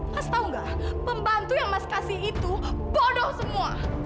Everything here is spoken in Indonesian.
mas tahu nggak pembantu yang mas kasih itu bodoh semua